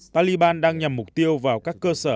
taliban đang nhằm mục tiêu vào các cơ sở